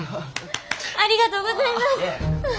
ありがとうございます！